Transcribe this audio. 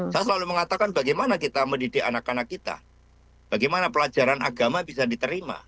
saya selalu mengatakan bagaimana kita mendidik anak anak kita bagaimana pelajaran agama bisa diterima